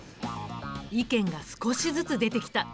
意見が少しずつ出てきた。